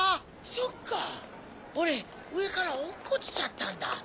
そっか俺上から落っこちちゃったんだ。